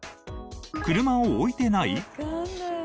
車を置いていない？